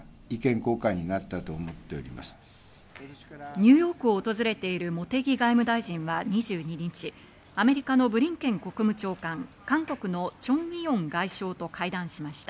ニューヨークを訪れている茂木外務大臣は２２日、アメリカのブリンケン国務長官、韓国のチョン・ウィヨン外相と会談しました。